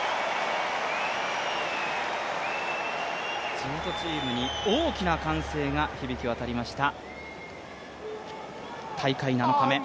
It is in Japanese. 地元チームに大きな歓声が響き渡りました。